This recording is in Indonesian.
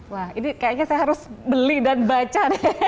wah ini kayaknya saya harus beli dan baca nih